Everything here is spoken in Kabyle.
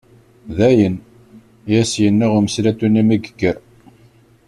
Dayen, i as-yenna umeslatu-nni mi yekker.